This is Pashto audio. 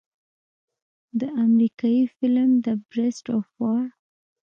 د امريکني فلم The Beast of War